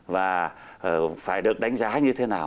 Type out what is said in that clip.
và phải được đánh giá như thế nào